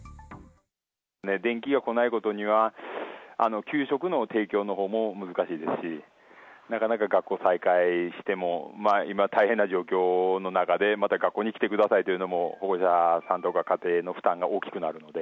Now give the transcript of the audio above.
電気が来ないことには、給食の提供のほうも難しいですし、なかなか学校再開しても、今、大変な状況の中で、また学校に来てくださいというのも、保護者さんとか家庭の負担が大きくなるので。